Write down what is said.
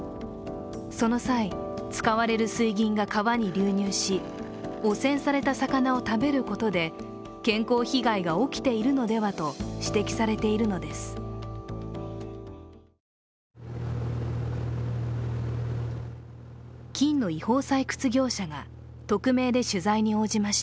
その際使われる水銀が川に流入し汚染された魚を食べることで、健康被害が起きているのではと指摘されているのです。